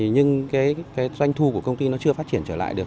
nhưng cái doanh thu của công ty nó chưa phát triển trở lại được